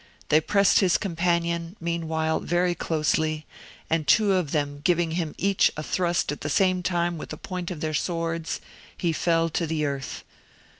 They pressed his companion, meanwhile, very closely; and two of them giving him each a thrust at the same time with the point of their swords, he fell to the earth.